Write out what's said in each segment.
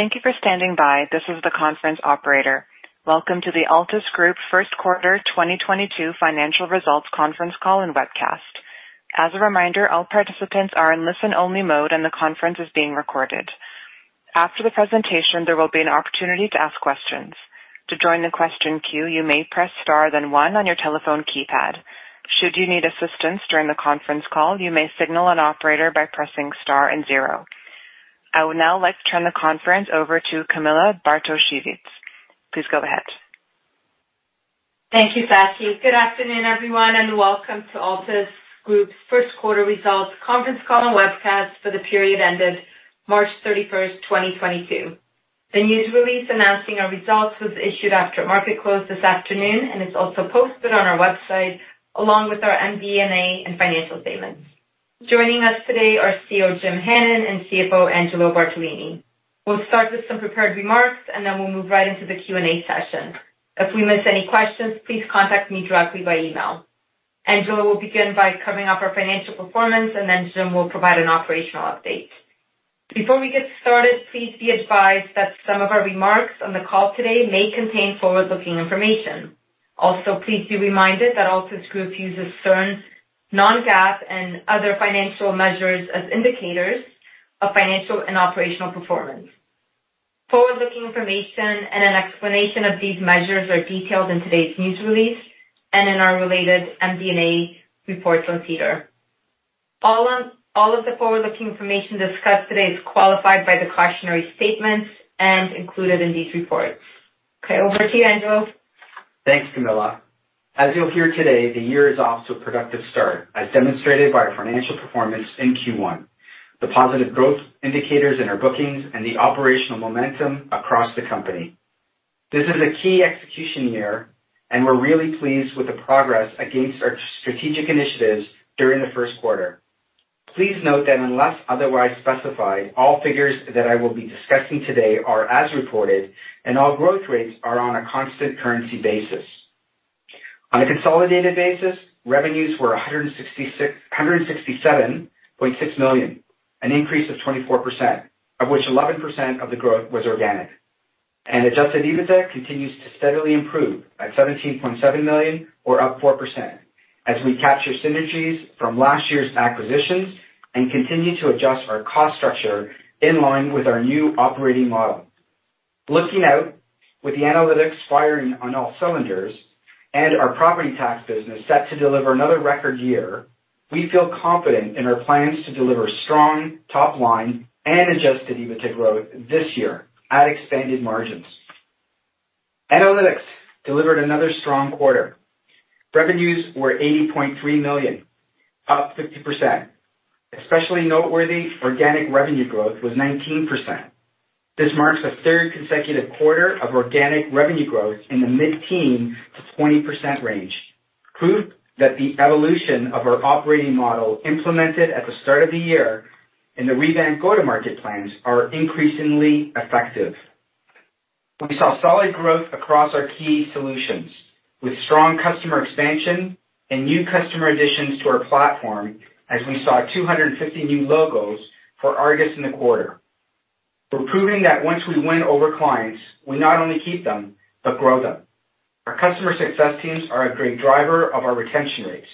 Thank you for standing by. This is the conference operator. Welcome to the Altus Group First Quarter 2022 financial results conference call and webcast. As a reminder, all participants are in listen-only mode, and the conference is being recorded. After the presentation, there will be an opportunity to ask questions. To join the question queue, you may press star then one on your telephone keypad. Should you need assistance during the conference call, you may signal an operator by pressing star and zero. I would now like to turn the conference over to Camilla Bartosiewicz. Please go ahead. Thank you, Sassy. Good afternoon, everyone, and welcome to Altus Group's first quarter results conference call and webcast for the period ended March 31, 2022. The news release announcing our results was issued after market close this afternoon and is also posted on our website along with our MD&A and financial statements. Joining us today are CEO Jim Hannon and CFO Angelo Bartolini. We'll start with some prepared remarks, and then we'll move right into the Q&A session. If we miss any questions, please contact me directly by email. Angelo will begin by covering our financial performance, and then Jim will provide an operational update. Before we get started, please be advised that some of our remarks on the call today may contain forward-looking information. Also, please be reminded that Altus Group uses certain non-GAAP and other financial measures as indicators of financial and operational performance. Forward-looking information and an explanation of these measures are detailed in today's news release and in our related MD&A reports on SEDAR. All of the forward-looking information discussed today is qualified by the cautionary statements and included in these reports. Okay, over to you, Angelo. Thanks, Camilla. As you'll hear today, the year is off to a productive start, as demonstrated by our financial performance in Q1, the positive growth indicators in our bookings, and the operational momentum across the company. This is a key execution year, and we're really pleased with the progress against our strategic initiatives during the first quarter. Please note that unless otherwise specified, all figures that I will be discussing today are as reported, and all growth rates are on a constant currency basis. On a consolidated basis, revenues were CAD 167.6 million, an increase of 24%, of which 11% of the growth was organic. Adjusted EBITDA continues to steadily improve at 17.7 million or up 4% as we capture synergies from last year's acquisitions and continue to adjust our cost structure in line with our new operating model. Looking out, with the analytics firing on all cylinders and our property tax business set to deliver another record year, we feel confident in our plans to deliver strong top line and Adjusted EBITDA growth this year at expanded margins. Analytics delivered another strong quarter. Revenues were 80.3 million, up 50%. Especially noteworthy, organic revenue growth was 19%. This marks the third consecutive quarter of organic revenue growth in the mid-teens to 20% range, proof that the evolution of our operating model implemented at the start of the year and the revamped go-to-market plans are increasingly effective. We saw solid growth across our key solutions, with strong customer expansion and new customer additions to our platform as we saw 250 new logos for ARGUS in the quarter. We're proving that once we win over clients, we not only keep them but grow them. Our customer success teams are a great driver of our retention rates,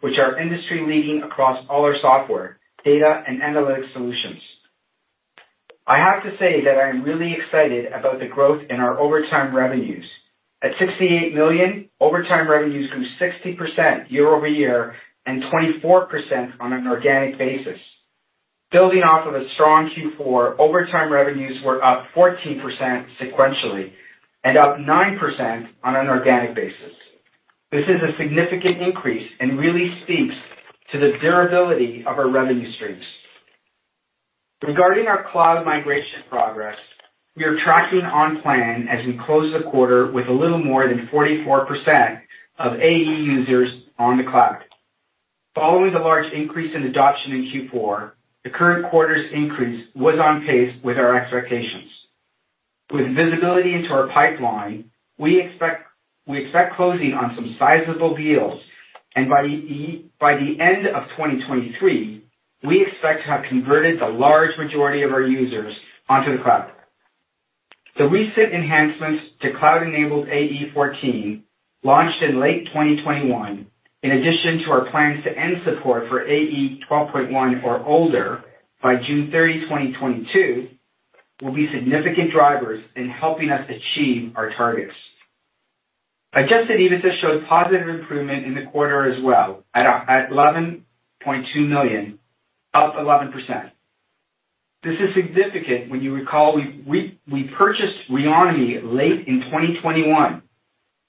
which are industry-leading across all our software, data, and analytics solutions. I have to say that I am really excited about the growth in our recurring revenues. At 68 million, overtime revenues grew 60% year-over-year and 24% on an organic basis. Building off of a strong Q4, overtime revenues were up 14% sequentially and up 9% on an organic basis. This is a significant increase and really speaks to the durability of our revenue streams. Regarding our cloud migration progress, we are tracking on plan as we close the quarter with a little more than 44% of AE users on the cloud. Following the large increase in adoption in Q4, the current quarter's increase was on pace with our expectations. With visibility into our pipeline, we expect closing on some sizable deals, and by the end of 2023, we expect to have converted the large majority of our users onto the cloud. The recent enhancements to cloud-enabled AE 14, launched in late 2021, in addition to our plans to end support for AE 12.1 or older by June 30, 2022, will be significant drivers in helping us achieve our targets. Adjusted EBITDA showed positive improvement in the quarter as well at 11.2 million, up 11%. This is significant when you recall we purchased Reonomy late in 2021,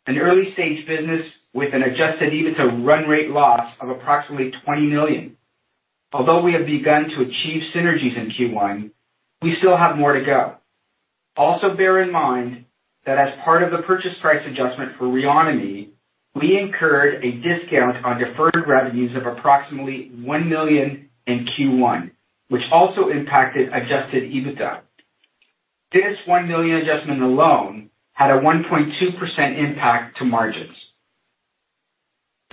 an early-stage business with an adjusted EBITDA run rate loss of approximately 20 million. Although we have begun to achieve synergies in Q1, we still have more to go. Also, bear in mind that as part of the purchase price adjustment for Reonomy, we incurred a discount on deferred revenues of approximately 1 million in Q1, which also impacted adjusted EBITDA. This 1 million adjustment alone had a 1.2% impact to margins.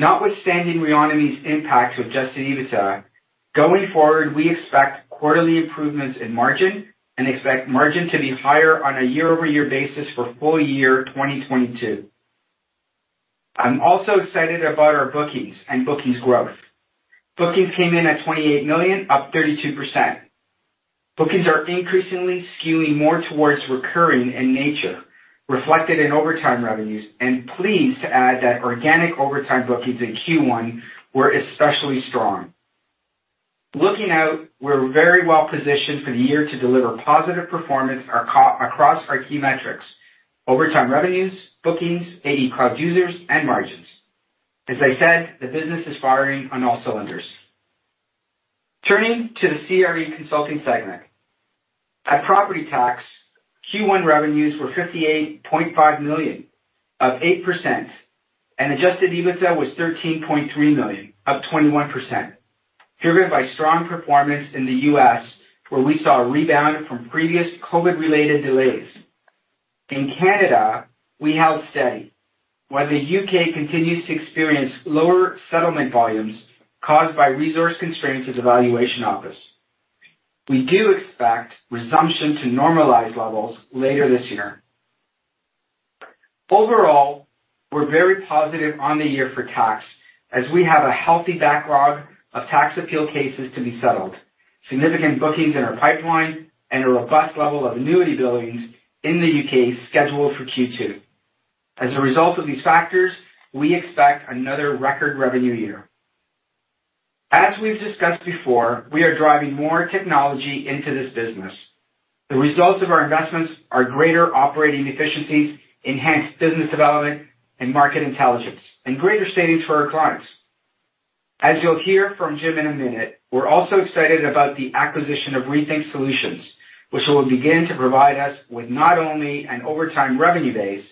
Notwithstanding Reonomy's impacts with adjusted EBITDA, going forward, we expect quarterly improvements in margin and expect margin to be higher on a year-over-year basis for full year 2022. I'm also excited about our bookings and bookings growth. Bookings came in at 28 million, up 32%. Bookings are increasingly skewing more towards recurring in nature, reflected in ARR revenues, and pleased to add that organic ARR bookings in Q1 were especially strong. Looking out, we're very well positioned for the year to deliver positive performance across our key metrics: ARR revenues, bookings, active cloud users, and margins. As I said, the business is firing on all cylinders. Turning to the CRE consulting segment. At Property Tax, Q1 revenues were 58.5 million, up 8%, and adjusted EBITDA was 13.3 million, up 21%, driven by strong performance in the U.S., where we saw a rebound from previous COVID-related delays. In Canada, we held steady, while the U.K. continues to experience lower settlement volumes caused by resource constraints as Valuation Office. We do expect resumption to normalize levels later this year. Overall, we're very positive on the year for tax as we have a healthy backlog of tax appeal cases to be settled, significant bookings in our pipeline, and a robust level of annuity billings in the U.K. scheduled for Q2. As a result of these factors, we expect another record revenue year. As we've discussed before, we are driving more technology into this business. The results of our investments are greater operating efficiencies, enhanced business development and market intelligence, and greater savings for our clients. As you'll hear from Jim in a minute, we're also excited about the acquisition of Rethink Solutions, which will begin to provide us with not only an ongoing revenue base,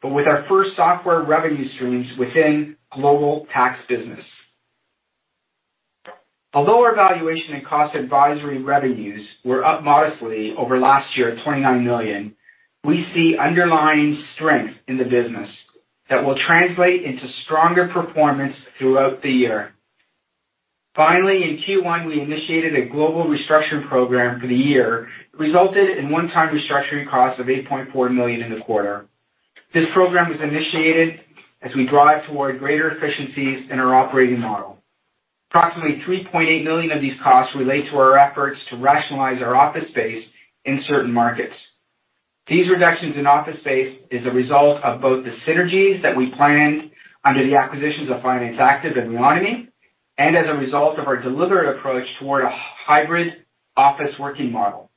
but with our first software revenue streams within global tax business. Although our valuation and cost advisory revenues were up modestly over last year at 29 million, we see underlying strength in the business that will translate into stronger performance throughout the year. Finally, in Q1, we initiated a global restructuring program for the year. It resulted in one-time restructuring costs of 8.4 million in the quarter. This program was initiated as we drive toward greater efficiencies in our operating model. Approximately 3.8 million of these costs relate to our efforts to rationalize our office space in certain markets. These reductions in office space is a result of both the synergies that we planned under the acquisitions of Finance Active and Reonomy, and as a result of our deliberate approach toward a hybrid office working model.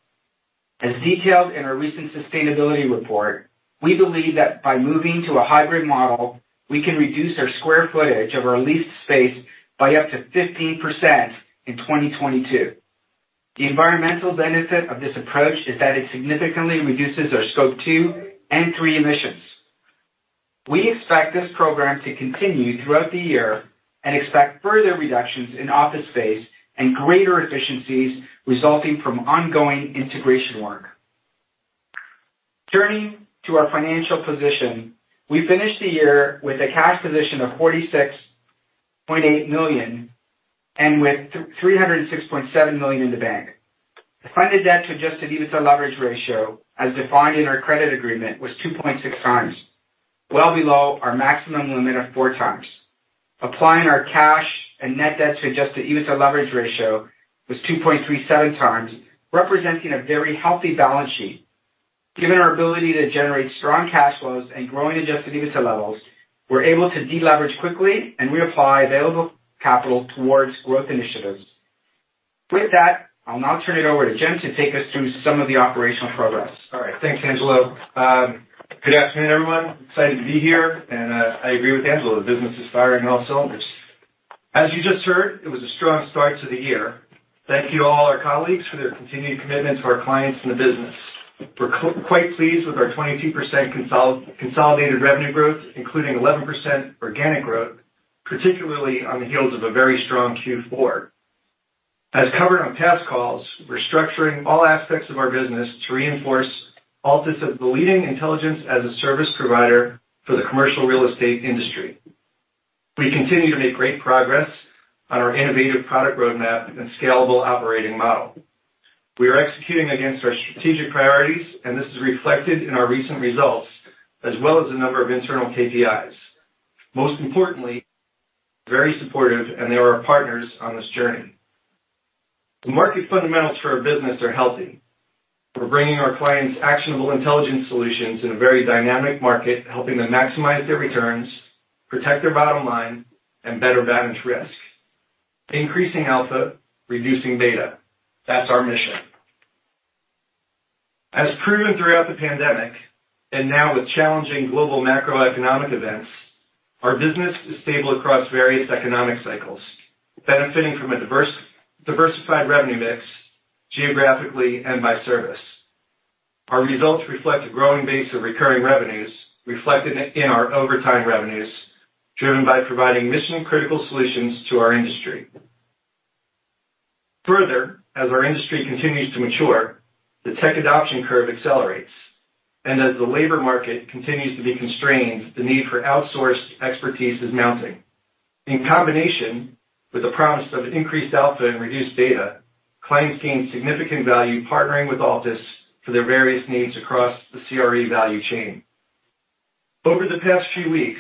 As detailed in our recent sustainability report, we believe that by moving to a hybrid model, we can reduce our square footage of our leased space by up to 15% in 2022. The environmental benefit of this approach is that it significantly reduces our Scope 2 and 3 emissions. We expect this program to continue throughout the year and expect further reductions in office space and greater efficiencies resulting from ongoing integration work. Turning to our financial position, we finished the year with a cash position of 46.8 million and with three hundred and six point seven million in the bank. The funded debt to Adjusted EBITDA leverage ratio, as defined in our credit agreement, was 2.6x, well below our maximum limit of 4x. Applying our cash and net debt to Adjusted EBITDA leverage ratio was 2.37x, representing a very healthy balance sheet. Given our ability to generate strong cash flows and growing Adjusted EBITDA levels, we're able to deleverage quickly and reapply available capital towards growth initiatives. With that, I'll now turn it over to Jim to take us through some of the operational progress. All right. Thanks, Angelo. Good afternoon, everyone. Excited to be here. I agree with Angelo, the business is firing on all cylinders. As you just heard, it was a strong start to the year. Thank you to all our colleagues for their continued commitment to our clients and the business. We're quite pleased with our 22% consolidated revenue growth, including 11% organic growth, particularly on the heels of a very strong Q4. As covered on past calls, we're structuring all aspects of our business to reinforce Altus as the leading intelligence as a service provider for the commercial real estate industry. We continue to make great progress on our innovative product roadmap and scalable operating model. We are executing against our strategic priorities, and this is reflected in our recent results as well as a number of internal KPIs. Most importantly, very supportive, and they are our partners on this journey. The market fundamentals for our business are healthy. We're bringing our clients actionable intelligence solutions in a very dynamic market, helping them maximize their returns, protect their bottom line, and better manage risk. Increasing alpha, reducing data. That's our mission. As proven throughout the pandemic, and now with challenging global macroeconomic events, our business is stable across various economic cycles, benefiting from a diversified revenue mix geographically and by service. Our results reflect a growing base of recurring revenues reflected in our over time revenues, driven by providing mission-critical solutions to our industry. Further, as our industry continues to mature, the tech adoption curve accelerates. As the labor market continues to be constrained, the need for outsourced expertise is mounting. In combination with the promise of increased output and reduced data, clients gain significant value partnering with Altus for their various needs across the CRE value chain. Over the past few weeks,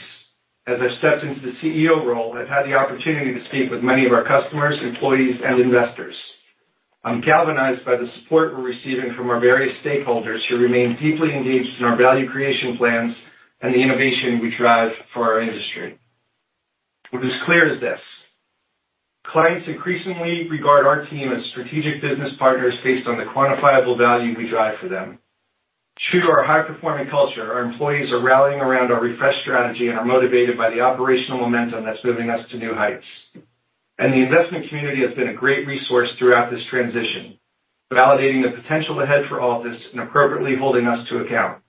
as I've stepped into the CEO role, I've had the opportunity to speak with many of our customers, employees, and investors. I'm galvanized by the support we're receiving from our various stakeholders who remain deeply engaged in our value creation plans and the innovation we drive for our industry. What is clear is this: clients increasingly regard our team as strategic business partners based on the quantifiable value we drive for them. True to our high-performing culture, our employees are rallying around our refreshed strategy and are motivated by the operational momentum that's moving us to new heights. The investment community has been a great resource throughout this transition, validating the potential ahead for Altus and appropriately holding us to account.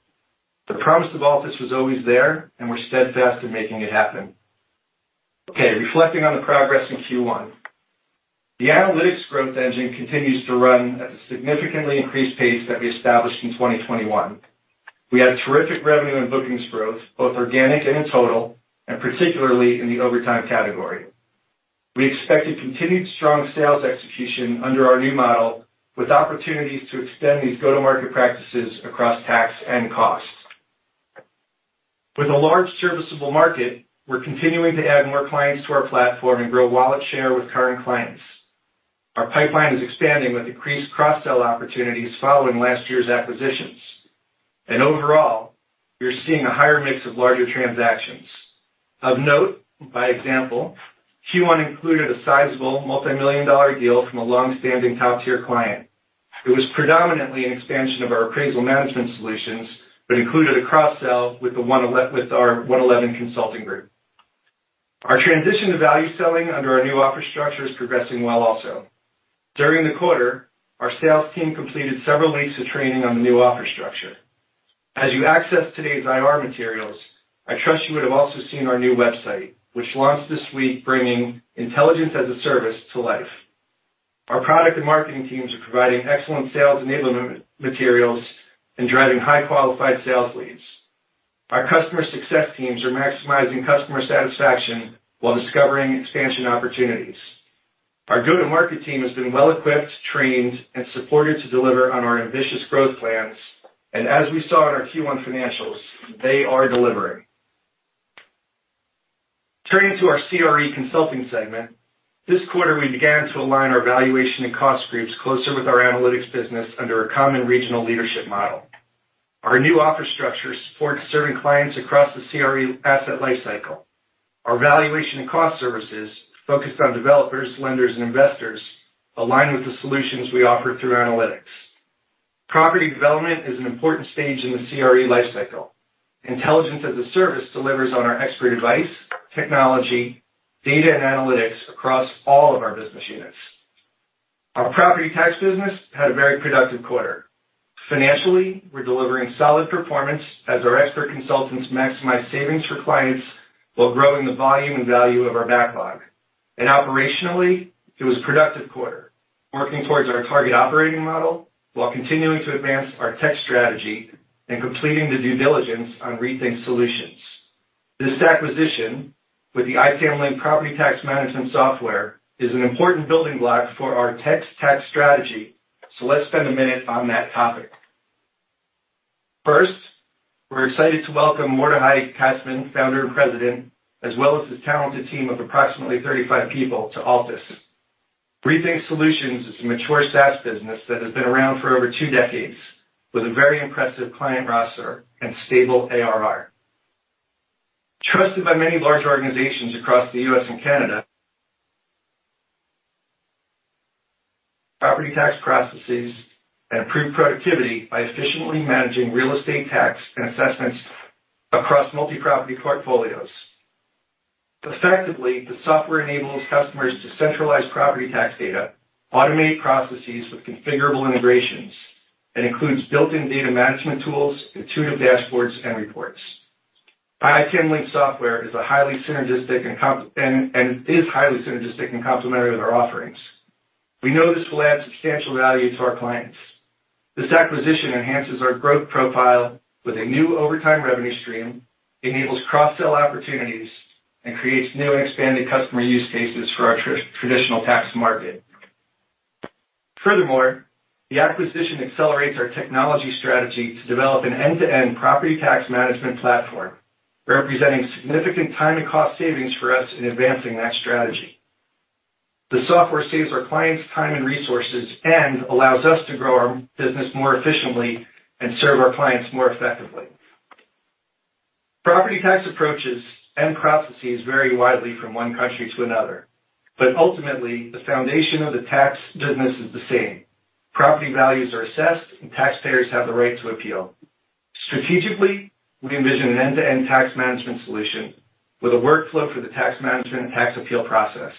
The promise of Altus was always there, and we're steadfast in making it happen. Okay, reflecting on the progress in Q1. The analytics growth engine continues to run at a significantly increased pace that we established in 2021. We had terrific revenue and bookings growth, both organic and in total, and particularly in the overtime category. We expect a continued strong sales execution under our new model, with opportunities to extend these go-to-market practices across tax and cost. With a large serviceable market, we're continuing to add more clients to our platform and grow wallet share with current clients. Our pipeline is expanding with increased cross-sell opportunities following last year's acquisitions. Overall, we're seeing a higher mix of larger transactions. Of note, by example, Q1 included a sizable multi-million CAD deal from a long-standing top-tier client. It was predominantly an expansion of our appraisal management solutions, but included a cross-sell with our one eleven consulting group. Our transition to value-selling under our new offer structure is progressing well also. During the quarter, our sales team completed several weeks of training on the new offer structure. As you access today's IR materials, I trust you would have also seen our new website, which launched this week, bringing intelligence as a service to life. Our product and marketing teams are providing excellent sales enablement materials and driving high-qualified sales leads. Our customer success teams are maximizing customer satisfaction while discovering expansion opportunities. Our go-to-market team has been well-equipped, trained, and supported to deliver on our ambitious growth plans. As we saw in our Q1 financials, they are delivering. Turning to our CRE consulting segment. This quarter, we began to align our valuation and cost groups closer with our analytics business under a common regional leadership model. Our new offer structure supports serving clients across the CRE asset life cycle. Our valuation and cost services, focused on developers, lenders, and investors, align with the solutions we offer through analytics. Property development is an important stage in the CRE life cycle. Intelligence as a Service delivers on our expert advice, technology, data, and analytics across all of our business units. Our property tax business had a very productive quarter. Financially, we're delivering solid performance as our expert consultants maximize savings for clients while growing the volume and value of our backlog. Operationally, it was a productive quarter, working towards our target operating model while continuing to advance our tech strategy and completing the due diligence on Rethink Solutions. This acquisition with the itamlink property tax management software is an important building block for our tax strategy, so let's spend a minute on that topic. First, we're excited to welcome Mordechai Katzman, Founder and President, as well as his talented team of approximately 35 people, to Altus. Rethink Solutions is a mature SaaS business that has been around for over two decades with a very impressive client roster and stable ARR, trusted by many large organizations across the U.S. and Canada. Effectively, the software enables customers to centralize property tax data, automate processes with configurable integrations, and includes built-in data management tools, intuitive dashboards, and reports. itamlink software is highly synergistic and complementary with our offerings. We know this will add substantial value to our clients. This acquisition enhances our growth profile with a new recurring revenue stream, enables cross-sell opportunities, and creates new and expanded customer use cases for our traditional tax market. Furthermore, the acquisition accelerates our technology strategy to develop an end-to-end property tax management platform, representing significant time and cost savings for us in advancing that strategy. The software saves our clients time and resources, and allows us to grow our business more efficiently and serve our clients more effectively. Property tax approaches and processes vary widely from one country to another, but ultimately, the foundation of the tax business is the same. Property values are assessed, and taxpayers have the right to appeal. Strategically, we envision an end-to-end tax management solution with a workflow for the tax management and tax appeal process.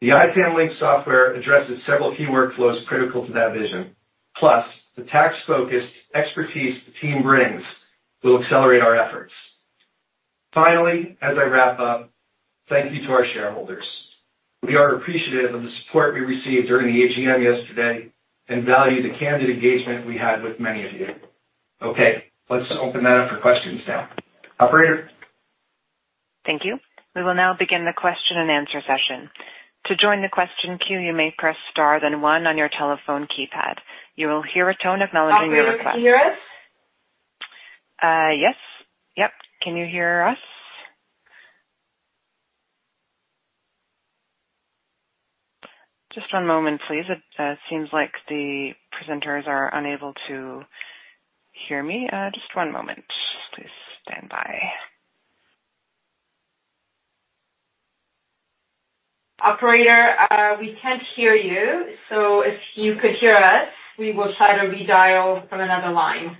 The itamlink software addresses several key workflows critical to that vision. Plus, the tax-focused expertise the team brings will accelerate our efforts. Finally, as I wrap up, thank you to our shareholders. We are appreciative of the support we received during the AGM yesterday and value the candid engagement we had with many of you. Okay, let's open that up for questions now. Operator? Thank you. We will now begin the question-and-answer session. To join the question queue, you may press star then one on your telephone keypad. You will hear a tone acknowledging your request. Operator, can you hear us? Yes. Yep. Can you hear us? Just one moment, please. It seems like the presenters are unable to hear me. Just one moment. Please stand by. Operator, we can't hear you. If you could hear us, we will try to redial from another line.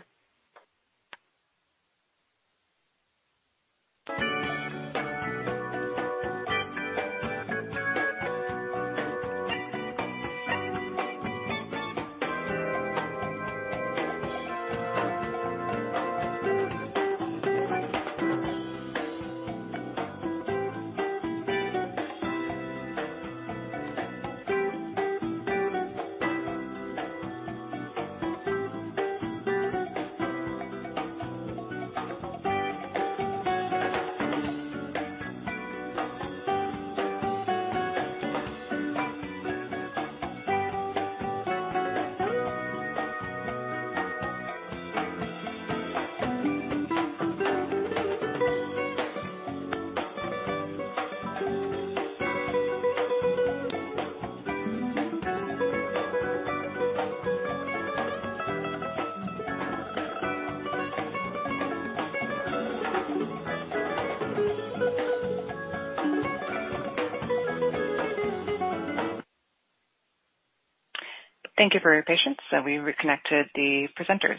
Thank you for your patience. We reconnected the presenters.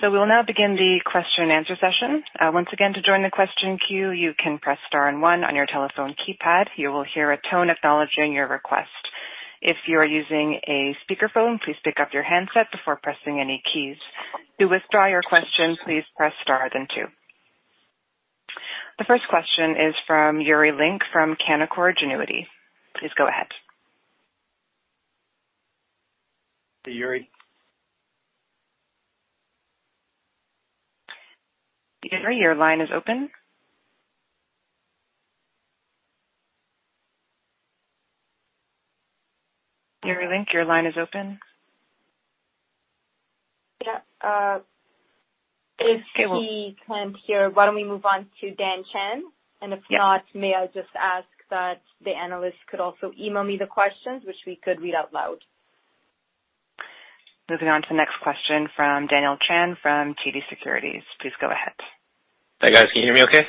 We'll now begin the question and answer session. Once again, to join the question queue, you can press star and one on your telephone keypad. You will hear a tone acknowledging your request. If you are using a speakerphone, please pick up your handset before pressing any keys. To withdraw your question, please press star then two. The first question is from Yuri Lynk from Canaccord Genuity. Please go ahead. Hey, Yuri. Yuri, your line is open. Yuri Lynk, your line is open. Yeah, if he can't hear, why don't we move on to Daniel Chan? Yeah. If not, may I just ask that the analyst could also email me the questions which we could read out loud. Moving on to the next question from Daniel Chan from TD Securities. Please go ahead. Hi, guys. Can you hear me okay?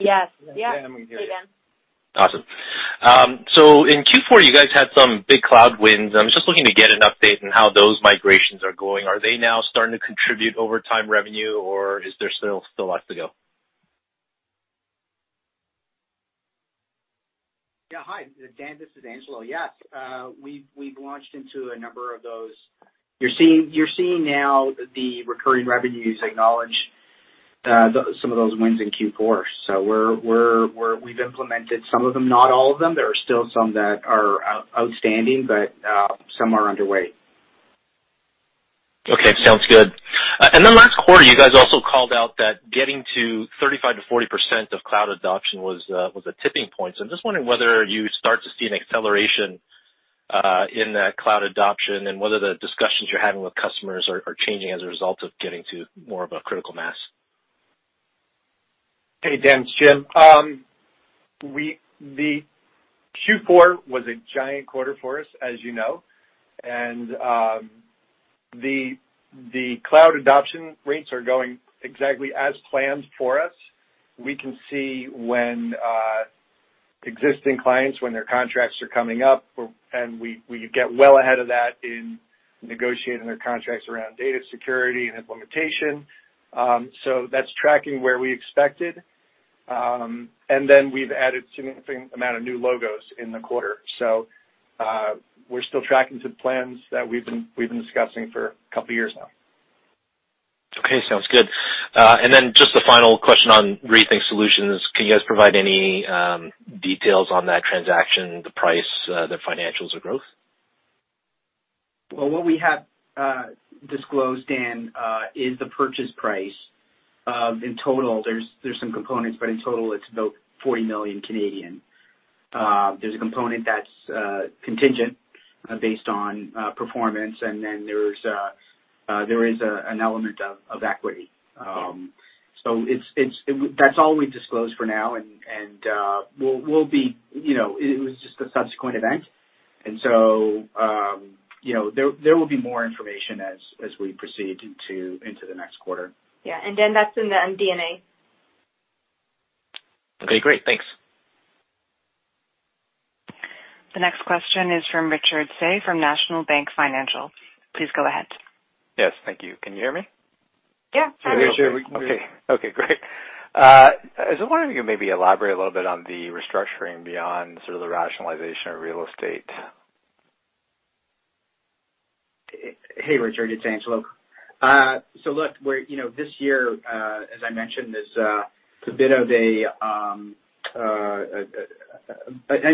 Yes. Yeah. Hey, Dan. Awesome. In Q4, you guys had some big cloud wins. I'm just looking to get an update on how those migrations are going. Are they now starting to contribute overtime revenue or is there still lots to go? Hi, Dan, this is Angelo. Yes, we've launched into a number of those. You're seeing now the recurring revenues recognize some of those wins in Q4. We've implemented some of them, not all of them. There are still some that are outstanding, but some are underway. Okay, sounds good. Last quarter, you guys also called out that getting to 35%-40% of cloud adoption was a tipping point. I'm just wondering whether you start to see an acceleration in that cloud adoption and whether the discussions you're having with customers are changing as a result of getting to more of a critical mass. Hey, Dan, it's Jim. The Q4 was a giant quarter for us, as you know. The cloud adoption rates are going exactly as planned for us. We can see when existing clients, when their contracts are coming up, and we get well ahead of that in negotiating their contracts around data security and implementation. That's tracking where we expected. We've added significant amount of new logos in the quarter. We're still tracking to the plans that we've been discussing for a couple of years now. Okay, sounds good. Just a final question on Rethink Solutions. Can you guys provide any details on that transaction, the price, the financials or growth? Well, what we have disclosed, Dan, is the purchase price. In total, there's some components, but in total, it's about 40 million. There's a component that's contingent based on performance, and then there's an element of equity. So it's. That's all we've disclosed for now. We'll be, you know, it was just a subsequent event. You know, there will be more information as we proceed into the next quarter. Yeah. Dan, that's in the MD&A. Okay, great. Thanks. The next question is from Richard Tse from National Bank Financial. Please go ahead. Yes, thank you. Can you hear me? Yeah. Richard, we can hear you. Okay. Okay, great. I was wondering if you maybe elaborate a little bit on the restructuring beyond sort of the rationalization of real estate? Hey, Richard, it's Angelo. Look, we're you know, this year, as I mentioned, is a bit of a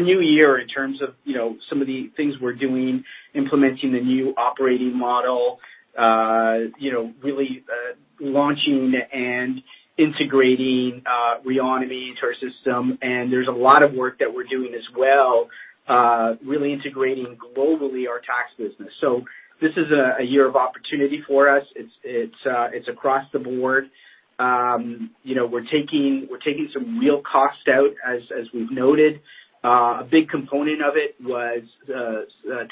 new year in terms of, you know, some of the things we're doing, implementing the new operating model, you know, really launching and integrating Reonomy into our system. There's a lot of work that we're doing as well, really integrating globally our tax business. This is a year of opportunity for us. It's across the board. You know, we're taking some real costs out, as we've noted. A big component of it was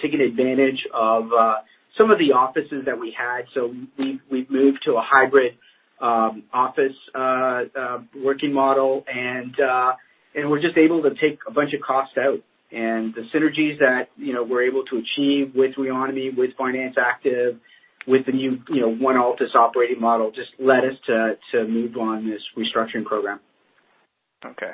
taking advantage of some of the offices that we had. We've moved to a hybrid office working model, and we're just able to take a bunch of costs out. The synergies that, you know, we're able to achieve with Reonomy, with Finance Active, with the new, you know, One Altus operating model just led us to move on this restructuring program. Okay.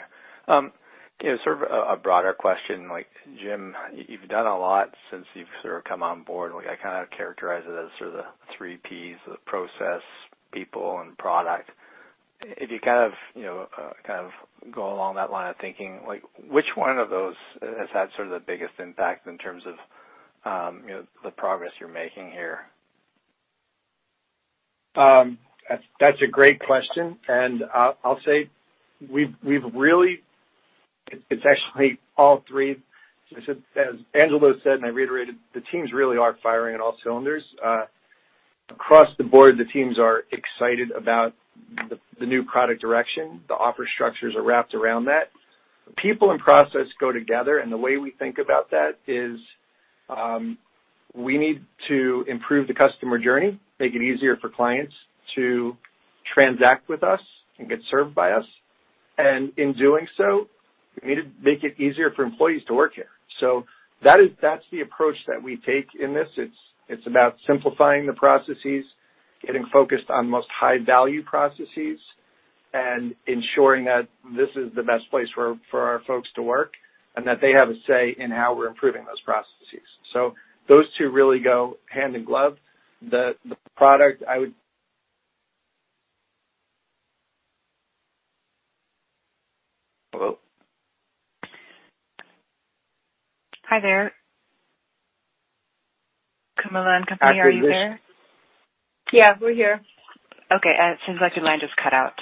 You know, sort of a broader question, like Jim, you've done a lot since you've sort of come on board. Like, I kinda characterize it as sort of the three Ps, the process, people, and product. If you kind of, you know, kind of go along that line of thinking, like which one of those has had sort of the biggest impact in terms of, you know, the progress you're making here? That's a great question. I'll say we've really. It's actually all three. As Angelo said, and I reiterated, the teams really are firing on all cylinders. Across the board, the teams are excited about the new product direction. The offer structures are wrapped around that. People and process go together, and the way we think about that is, we need to improve the customer journey, make it easier for clients to transact with us and get served by us. In doing so, we need to make it easier for employees to work here. That's the approach that we take in this. It's about simplifying the processes, getting focused on most high-value processes, and ensuring that this is the best place for our folks to work, and that they have a say in how we're improving those processes. Those two really go hand in glove. The product I would Hello? Hi there. Camilla and company, are you there? Yeah, we're here. Okay. It seems like your line just cut out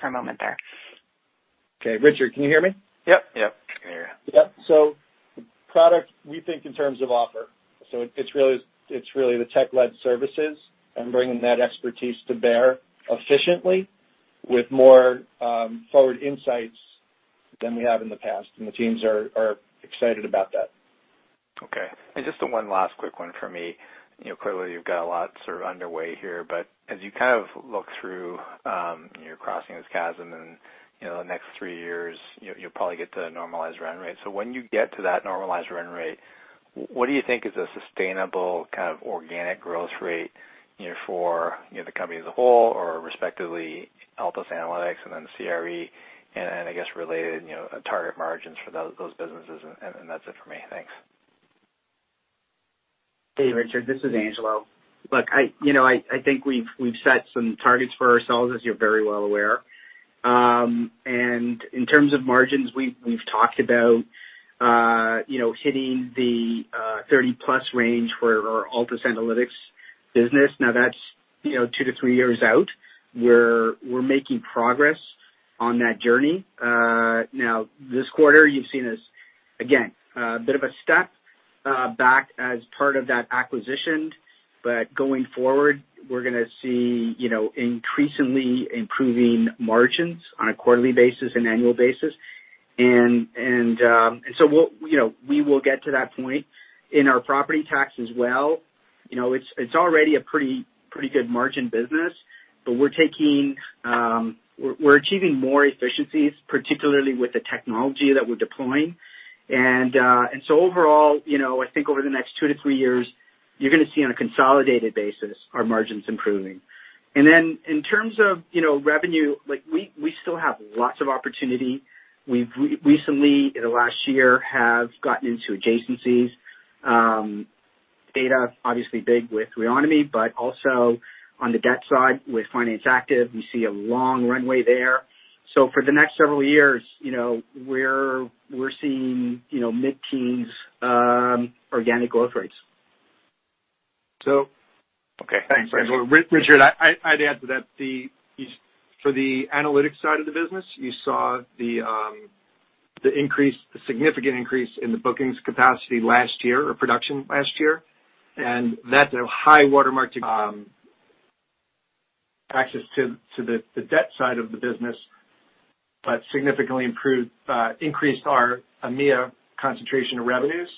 for a moment there. Okay. Richard, can you hear me? Yep, yep. Can hear you. Yep. Product, we think in terms of offer. It's really the tech-led services and bringing that expertise to bear efficiently with more forward insights than we have in the past. The teams are excited about that. Okay. Just one last quick one for me. You know, clearly you've got a lot sort of underway here, but as you kind of look through, you know, crossing this chasm and, you know, the next three years, you'll probably get to a normalized run rate. So when you get to that normalized run rate, what do you think is a sustainable kind of organic growth rate, you know, for, you know, the company as a whole or respectively Altus Analytics and then CRE and I guess related, you know, target margins for those businesses? And that's it for me. Thanks. Hey, Richard Tse, this is Angelo Bartolini. Look, I, you know, I think we've set some targets for ourselves, as you're very well aware. In terms of margins, we've talked about, you know, hitting the 30%+ range for our Altus Analytics business. Now, that's, you know, two to three years out. We're making progress on that journey. Now this quarter, you've seen us, again, a bit of a step back as part of that acquisition, but going forward, we're gonna see, you know, increasingly improving margins on a quarterly basis and annual basis. You know, we will get to that point in our property tax as well. You know, it's already a pretty good margin business, but we're achieving more efficiencies, particularly with the technology that we're deploying. Overall, you know, I think over the next two to three years, you're gonna see on a consolidated basis our margins improving. Then in terms of, you know, revenue, like we still have lots of opportunity. We've recently, in the last year, have gotten into adjacencies. Data obviously big with Reonomy, but also on the debt side with Finance Active. We see a long runway there. For the next several years, you know, we're seeing, you know, mid-teens organic growth rates. Okay. Thanks, Angelo. Richard, I'd add to that. For the analytics side of the business, you saw the significant increase in the bookings capacity last year or production last year. That's a high watermark to access to the debt side of the business, but significantly improved, increased our EMEA concentration of revenues.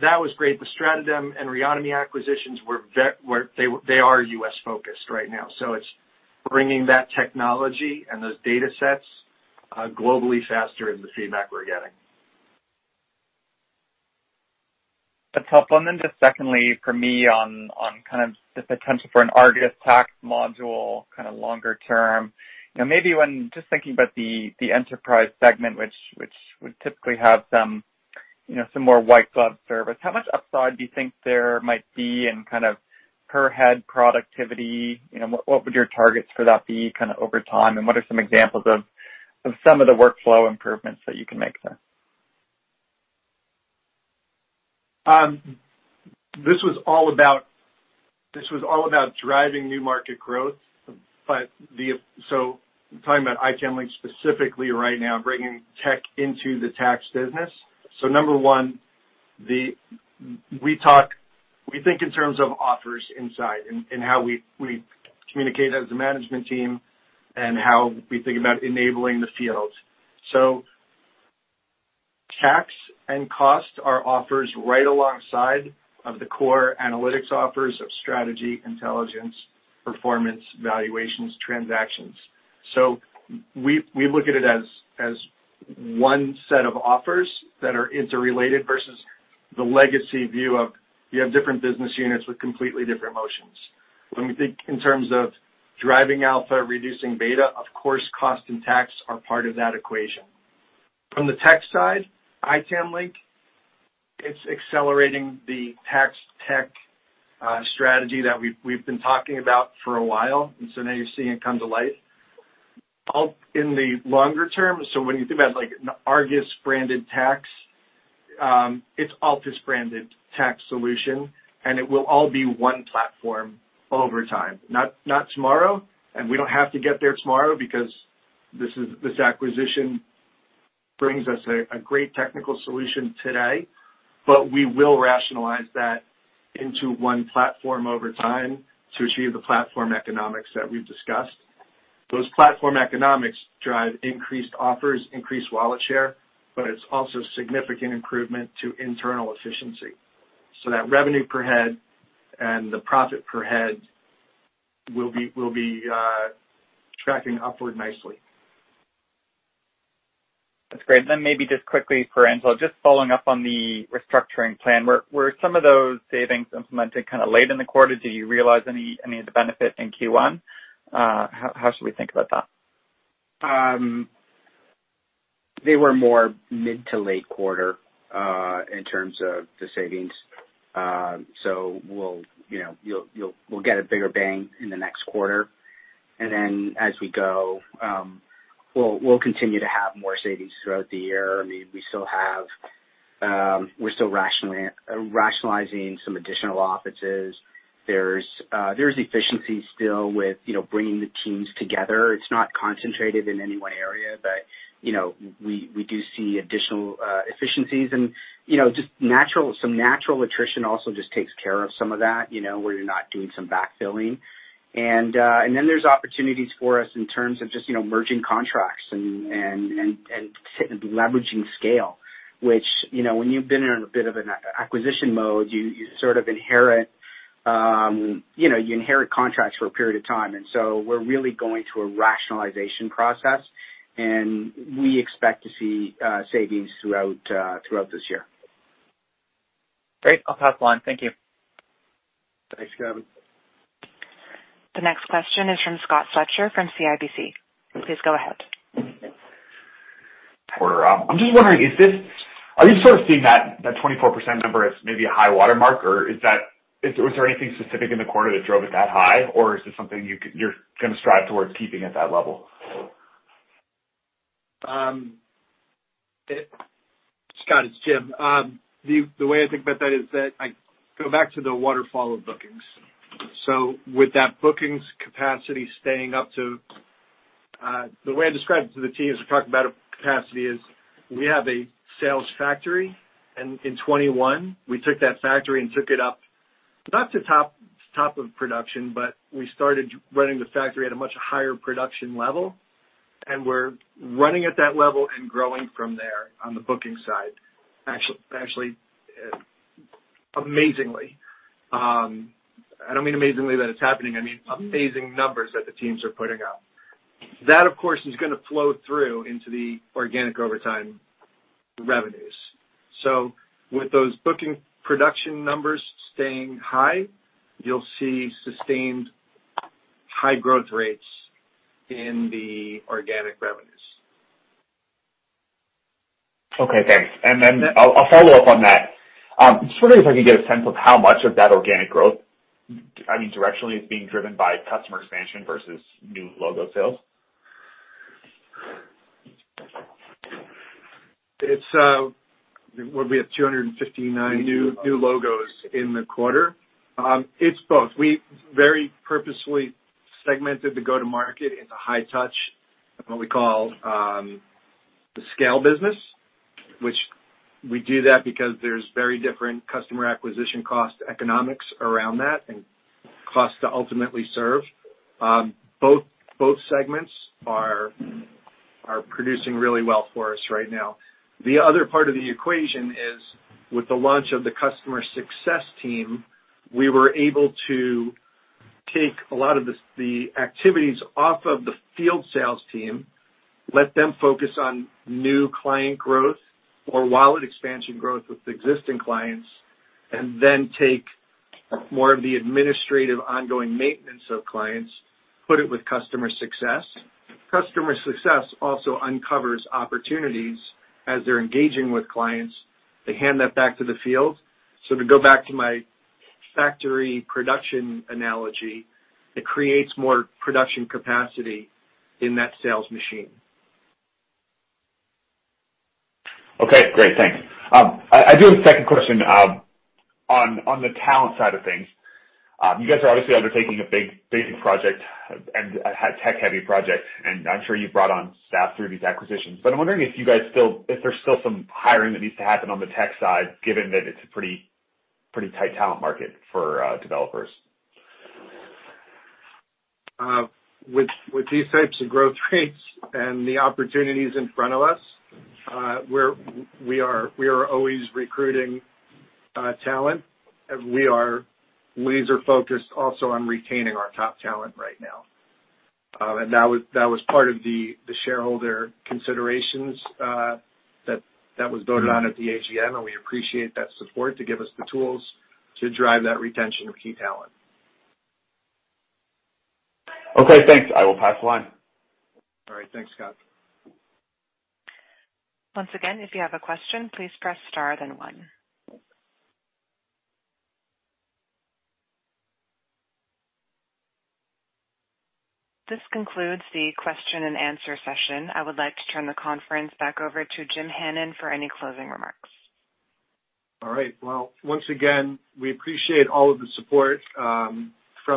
That was great. The Stratadigm and Reonomy acquisitions were. They are U.S.-focused right now. It's bringing that technology and those datasets globally faster is the feedback we're getting. A follow-up on them, just secondly for me on kind of the potential for an ARGUS tax module kind of longer term. You know, just thinking about the enterprise segment, which would typically have some, you know, some more white glove service, how much upside do you think there might be in kind of per head productivity? You know, what would your targets for that be kinda over time? What are some examples of some of the workflow improvements that you can make there? This was all about driving new market growth, so I'm talking about itamlink specifically right now, bringing tech into the tax business. Number one, we think in terms of offers inside and how we communicate as a management team and how we think about enabling the field. Tax and cost are offers right alongside of the core analytics offers of strategy, intelligence, performance, valuations, transactions. We look at it as one set of offers that are interrelated versus the legacy view of you have different business units with completely different motions. When we think in terms of driving alpha, reducing beta, of course, cost and tax are part of that equation. From the tech side, itamlink, it's accelerating the tax tech strategy that we've been talking about for a while, and so now you're seeing it come to light. All in the longer term, so when you think about, like, ARGUS-branded tax, it's Altus-branded tax solution, and it will all be one platform over time. Not tomorrow, and we don't have to get there tomorrow because this acquisition brings us a great technical solution today. But we will rationalize that into one platform over time to achieve the platform economics that we've discussed. Those platform economics drive increased offerings, increased wallet share, but it's also significant improvement to internal efficiency. So that revenue per head and the profit per head will be tracking upward nicely. That's great. Maybe just quickly for Angelo, just following up on the restructuring plan. Were some of those savings implemented kinda late in the quarter? Do you realize any of the benefit in Q1? How should we think about that? They were more mid- to late-quarter in terms of the savings. We'll, you know, you'll. We'll get a bigger bang in the next quarter. Then as we go, we'll continue to have more savings throughout the year. I mean, we still have, we're still rationalizing some additional offices. There's efficiencies still with, you know, bringing the teams together. It's not concentrated in any one area, but, you know, we do see additional efficiencies and, you know, just natural attrition also just takes care of some of that, you know, where you're not doing some backfilling. Then there's opportunities for us in terms of just, you know, merging contracts and leveraging scale, which, you know, when you've been in a bit of an acquisition mode, you sort of inherit contracts for a period of time. We're really going through a rationalization process, and we expect to see savings throughout this year. Great. I'll pass the line. Thank you. Thanks, Richard. The next question is from Scott Fletcher from CIBC. Please go ahead. Quarter up. I'm just wondering, are you sort of seeing that 24% number as maybe a high watermark? Or was there anything specific in the quarter that drove it that high? Or is this something you're gonna strive towards keeping at that level? Scott, it's Jim. The way I think about that is that I go back to the waterfall of bookings. With that bookings capacity staying up to. The way I describe it to the team is to talk about a capacity is we have a sales factory, and in 2021 we took that factory and took it up not to top of production, but we started running the factory at a much higher production level, and we're running at that level and growing from there on the booking side. Actually, amazingly, I don't mean amazingly that it's happening, I mean amazing numbers that the teams are putting out. That, of course, is gonna flow through into the organic over time revenues. With those booking production numbers staying high, you'll see sustained high growth rates in the organic revenues. Okay, thanks. I'll follow up on that. Just wondering if I can get a sense of how much of that organic growth, I mean, directionally is being driven by customer expansion versus new logo sales. It's what are we at 259 new logos in the quarter. It's both. We very purposefully segmented the go-to-market into high touch, what we call, the scale business, which we do that because there's very different customer acquisition cost economics around that and cost to ultimately serve. Both segments are producing really well for us right now. The other part of the equation is, with the launch of the customer success team, we were able to take a lot of the activities off of the field sales team, let them focus on new client growth or wallet expansion growth with existing clients, and then take more of the administrative ongoing maintenance of clients, put it with customer success. Customer success also uncovers opportunities as they're engaging with clients. They hand that back to the field. To go back to my factory production analogy, it creates more production capacity in that sales machine. Okay, great. Thanks. I do have a second question on the talent side of things. You guys are obviously undertaking a big project and a tech-heavy project, and I'm sure you've brought on staff through these acquisitions. I'm wondering if there's still some hiring that needs to happen on the tech side, given that it's a pretty tight talent market for developers. With these types of growth rates and the opportunities in front of us, we are always recruiting talent and we are laser-focused also on retaining our top talent right now. That was part of the shareholder considerations that was voted on at the AGM, and we appreciate that support to give us the tools to drive that retention of key talent. Okay, thanks. I will pass the line. All right, thanks, Scott. Once again, if you have a question, please press star then one. This concludes the question and answer session. I would like to turn the conference back over to Jim Hannon for any closing remarks. All right. Well, once again, we appreciate all of the support from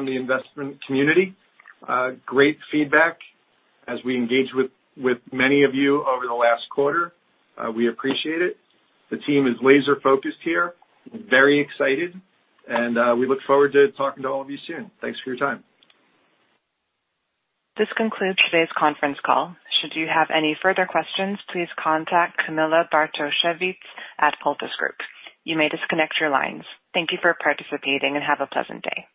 the investment community. Great feedback as we engage with many of you over the last quarter. We appreciate it. The team is laser-focused here, very excited, and we look forward to talking to all of you soon. Thanks for your time. This concludes today's conference call. Should you have any further questions, please contact Camilla Bartosiewicz at Altus Group. You may disconnect your lines. Thank you for participating and have a pleasant day.